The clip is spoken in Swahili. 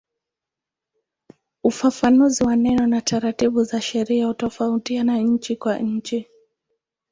Ufafanuzi wa neno na taratibu za sheria hutofautiana nchi kwa nchi.